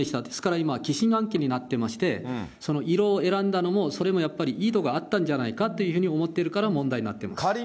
ですから今、疑心暗鬼になってまして、その色を選んだのもそれもやっぱり意図があったんじゃないかというふうに思ってるから、問題になってます。